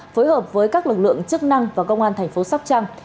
phối hợp với các lực lượng chức năng và công an thành phố sóc trăng